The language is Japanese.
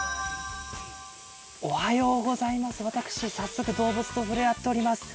おはようございます、私、早速動物と触れ合っております。